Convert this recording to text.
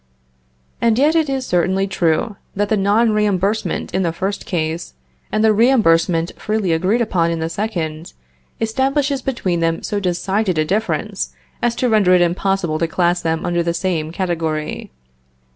And yet it is certainly true, that the non reimbursement in the first case, and the reimbursement freely agreed upon in the second, establishes between them so decided a difference, as to render it impossible to class them under the same category.